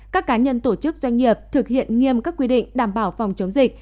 các cá nhân tổ chức doanh nghiệp thực hiện nghiêm các quy định đảm bảo phòng chống dịch